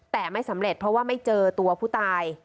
แต่ไม่สำเร็จเพราะว่าไม่เจอตัวผู้ตาย